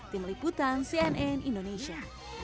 tim liputan cnn indonesia